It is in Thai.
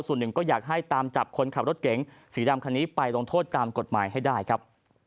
ส่วนหนึ่งก็อยากให้ตามจับคนขับรถเก๋งสีดำคันนี้ไปลงโทษตามกฎหมายให้ได้ครับ